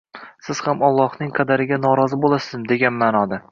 “Siz ham Allohning qadariga norozi bo‘lasizmi?” degan ma’noda.